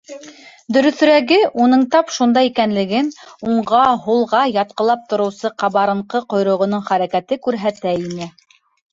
Дөрөҫөрәге, уның тап шунда икәнлеген уңға-һулға ятҡылап тороусы ҡабарынҡы ҡойроғоноң хәрәкәте күрһәтә ине.